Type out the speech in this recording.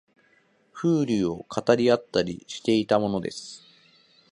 風流を語り合ったりしていたものです